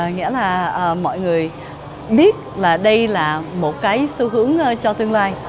nghĩa là mọi người biết là đây là một cái xu hướng cho tương lai